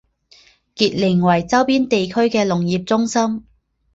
杰宁为周边地区的农业中心。